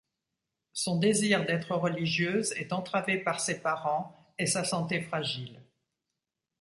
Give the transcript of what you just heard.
Son désir d'être religieuse est entravé par ses parents et sa santé fragile.